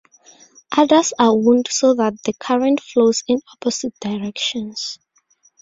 Others are wound so that the current flows in opposite directions.